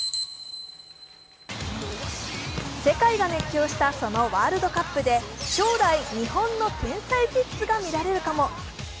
世界が熱狂した、そのワールドカップで将来、日本の天才キッズが見られるかも。